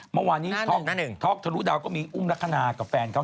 เมื่อวานนี้ท็อกท็อกทะลุดาวก็มีอุ้มลักษณะกับแฟนเขา